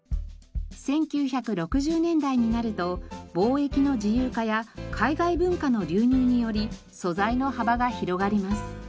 １９６０年代になると貿易の自由化や海外文化の流入により素材の幅が広がります。